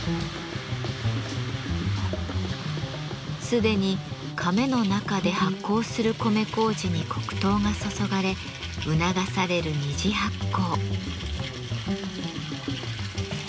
既にカメの中で発酵する米こうじに黒糖が注がれ促される二次発酵。